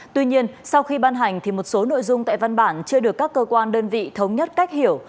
tuy nhiên sau khi ban hành thì một số nội dung tại văn bản chưa được các cơ quan đơn vị thống nhất cách hiểu